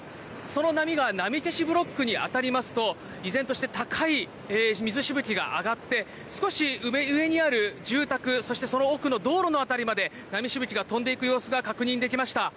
その波が波消しブロックに当たりますと依然として高い水しぶきが上がって少し上にある住宅そして、その奥の道路の辺りまで波しぶきが飛んでいく様子が確認できました。